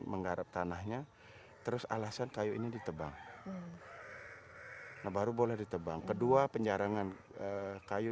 menggarap tanahnya terus alasan kayu ini ditebang nah baru boleh ditebang kedua penjarangan kayu